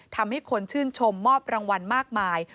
ทำให้คนชื่นชมมอบรางวัลมากมาย